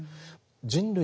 人類